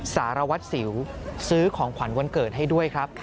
สารวัตรสิวซื้อของขวัญวันเกิดให้ด้วยครับ